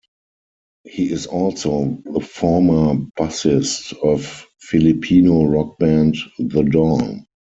He is also the former bassist of Filipino rock band, The Dawn.